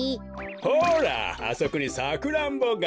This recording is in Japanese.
ほらあそこにサクランボが。